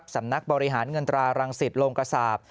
สำนักบริหารเงินตรารังสิทธิ์โลงกษาบ